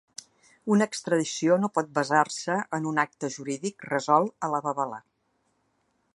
Una extradició no pot basar-se en un acte jurídic resolt a la babalà.